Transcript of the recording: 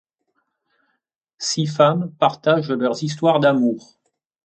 Six femmes partagent leurs histoires d'amour.